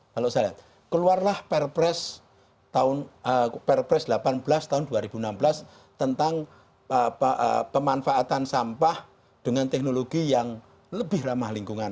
kalau saya lihat keluarlah perpres delapan belas tahun dua ribu enam belas tentang pemanfaatan sampah dengan teknologi yang lebih ramah lingkungan